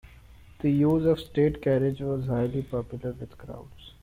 The use of the state carriage was highly popular with crowds.